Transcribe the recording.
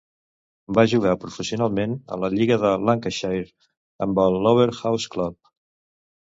Va jugar professionalment a la lliga de Lancashire amb el Lower House Club.